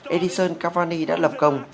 edison cavani đã lập công